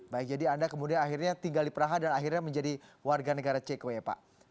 baik jadi anda kemudian akhirnya tinggal di praha dan akhirnya menjadi warga negara ceko ya pak